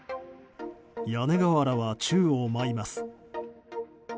屋根瓦は宙を舞います。